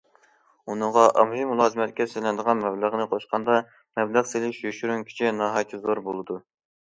ئۇنىڭغا ئاممىۋى مۇلازىمەتكە سېلىنىدىغان مەبلەغنى قوشقاندا مەبلەغ سېلىش يوشۇرۇن كۈچى ناھايىتى زور بولىدۇ.